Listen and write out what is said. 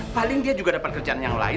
paling dia juga dapat kerjaan yang lain